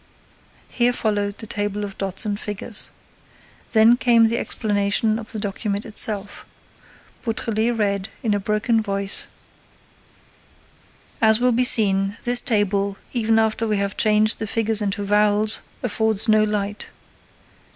Here followed the table of dots and figures. Then came the explanation of the document itself. Beautrelet read, in a broken voice: As will be seen, this table, even after we have changed the figures into vowels, affords no light.